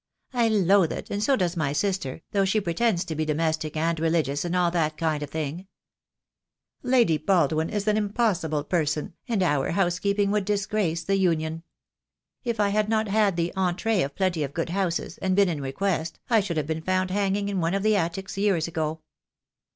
"I loathe it, and so does my sister, though she pre tends to be domestic and religious and all that kind of thing. Lady Baldwin is an impossible person, and our 328 THE DAY WILL COME. housekeeping would disgrace the Union. If I had not had the entree of plenty of good houses, and been in request, I should have been found hanging in one of the attics years ago."